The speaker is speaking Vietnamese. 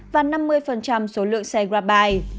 và năm mươi số lượng xe grabbi